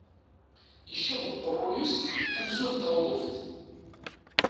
Icab uqerruy-is amzu d tawḍuft.